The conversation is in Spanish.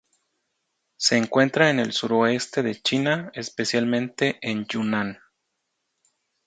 Se encuentra en el suroeste de China, especialmente en Yunnan.